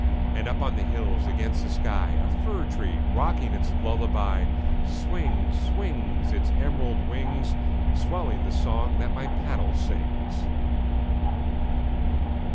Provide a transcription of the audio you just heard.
And up on the hills against the sky, A fir tree rocking its lullaby, Swings, swings, Its emerald wings, Swelling the song that my paddle sings.